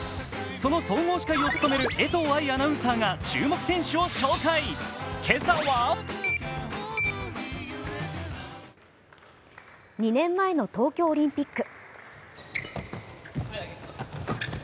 その総合司会を務める江藤愛アナウンサーが注目の選手を紹介、今朝は２年前の東京オリンピック。